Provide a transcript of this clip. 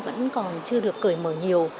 vẫn còn chưa được cởi mở nhiều